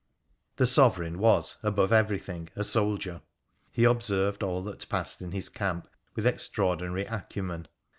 This sovereign was, above everything, a soldier. He observed all that passed in his camp with extraordinary acumen.